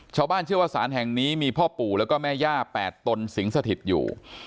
ชาวบ้านเชื่อว่าสารแห่งนี้มีพ่อปู่แล้วก็แม่ย่า๘ตนสิงสถิตอยู่